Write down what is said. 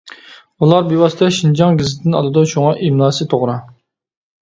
ئۇلار بىۋاسىتە شىنجاڭ گېزىتىدىن ئالىدۇ، شۇڭا ئىملاسى توغرا.